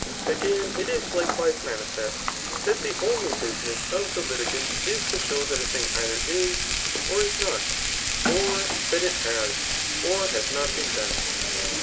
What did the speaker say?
Again, it Is likewise manifest that the only budness of die litigant is to show that a thing either is, or b not, or that it has^ or has not been done.